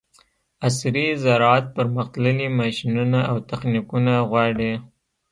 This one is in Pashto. عصري زراعت پرمختللي ماشینونه او تخنیکونه غواړي.